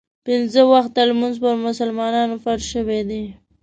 پنځه وخته لمونځ پر مسلمانانو فرض شوی دی.